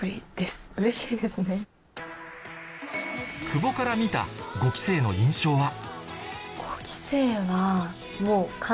久保から見た５期生の印象は？